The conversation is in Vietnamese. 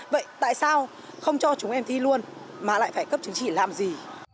vậy tại sao không cho chúng em thi luôn mà lại phải cấp chứng chỉ làm gì